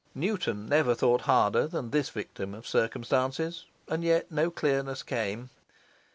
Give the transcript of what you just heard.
Newton never thought harder than this victim of circumstances, and yet no clearness came.